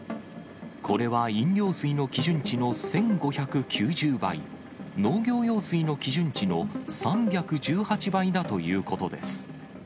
これは飲料水の基準値の１５９０倍、農業用水の基準値の３１８倍だということです。